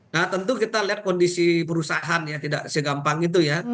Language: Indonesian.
nah tentu kita lihat kondisi perusahaan ya tidak segampang itu ya